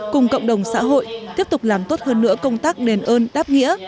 cùng cộng đồng xã hội tiếp tục làm tốt hơn nữa công tác đền ơn đáp nghĩa